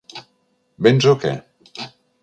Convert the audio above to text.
Véns o què?